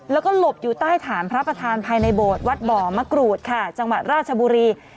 แล้วก็หลบอยู่ใต้ฐานพระประธานภายในโบสถ์วัดบ่อมะกรูดค่ะจังหวัดราชบุรี